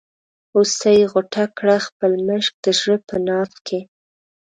هوسۍ غوټه کړه خپل مشک د زړه په ناف کې.